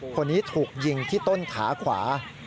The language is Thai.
คนนี้ถูกยิงที่ต้นขาขวา